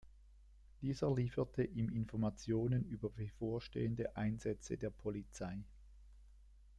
Dieser lieferte ihm Informationen über bevorstehende Einsätze der Polizei.